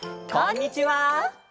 こんにちは！